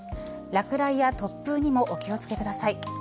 落雷や突風にもお気をつけください。